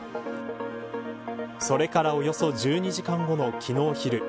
それからおよそ１２時間後の昨日昼。